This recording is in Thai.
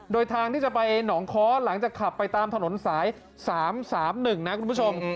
โดยทางที่จะไปหนองค้อหลังจากขับไปตามถนนสาย๓๓๑นะคุณผู้ชม